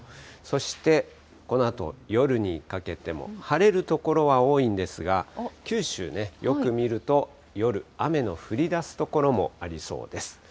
そして、このあと夜にかけても晴れる所は多いんですが、九州、よく見ると、夜、雨の降りだす所もありそうです。